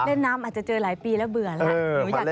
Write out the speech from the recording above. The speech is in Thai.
เล่นน้ำอาจจะเจอหลายปีแล้วเบื่อแล้ว